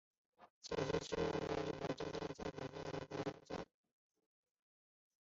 小笠原信兴是日本战国时代至安土桃山时代的武将。